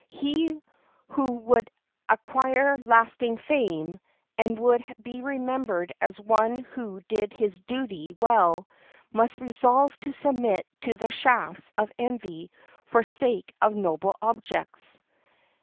He who would acquire lasting fame, and would be remembered as one who did his duty well, must resolve to submit to the shafts of envy for the sake of noble objects.